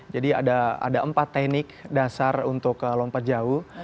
jadi ada empat teknik dasar untuk lompat jauh